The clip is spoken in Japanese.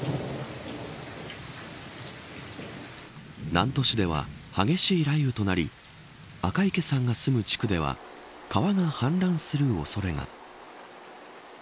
南砺市では激しい雷雨となり赤池さんが住む地区では川が氾濫する恐れが。